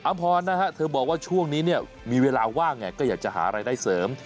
พรนะฮะเธอบอกว่าช่วงนี้เนี่ยมีเวลาว่างไงก็อยากจะหารายได้เสริม